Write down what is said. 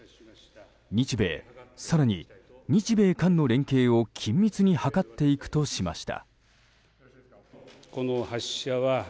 日米、更に日米韓の連携を緊密に図っていくとしました。